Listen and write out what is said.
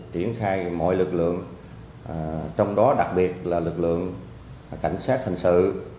triển khai mọi lực lượng trong đó đặc biệt là lực lượng cảnh sát hình sự